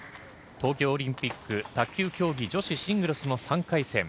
東京オリンピック卓球競技女子シングルスの３回戦。